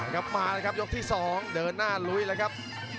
ครับมาเลยครับยกที่๒เดินหน้าลุยแล้วครับ